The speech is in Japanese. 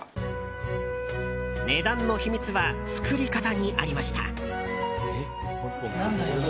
値段の秘密は作り方にありました。